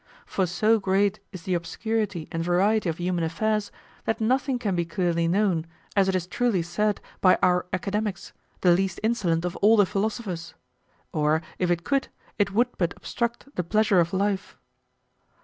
For so great is the obscurity and variety of human affairs that nothing can be clearly known, as it is truly said by our academics, the least insolent of all the philosophers; or if it could, it would but obstruct the pleasure of life.